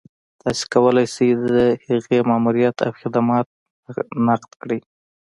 تاسو کولای شئ د هغې ماموريت او خدمات نقد کړئ.